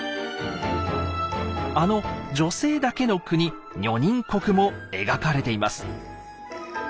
あの女性だけの国女人国も描かれています。